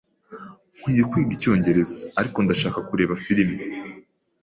Nkwiye kwiga icyongereza, ariko ndashaka kureba firime.